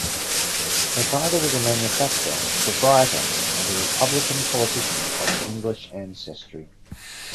Her father was a manufacturer, proprietor, and a Republican politician of English ancestry.